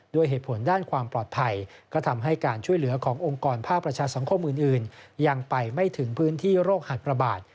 ด้วยเหตุผลด้านความปลอดภัยก็ทำให้การช่วยเหลือขององค์กรภาคประชาสังคมอื่นยังไปไม่ถึงพื้นที่โรคหัดระบาด